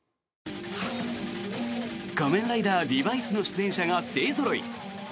「仮面ライダーリバイス」の出演者が勢ぞろい。